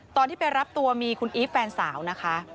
ตอนที่ไปรับตัวมีคุณอีฟแฟนสาวนะคะ